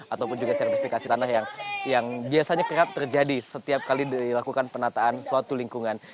ataupun juga sertifikasi tanah yang biasanya kerap terjadi setiap kali dilakukan penataan suatu lingkungan